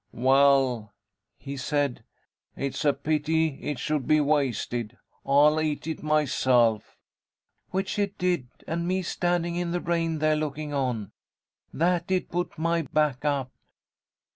'Well,' he said, 'it's a pity it should be wasted, I'll eat it myself.' Which he did, and me standing in the rain there looking on. That did put my back up.